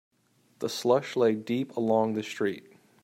The slush lay deep along the street.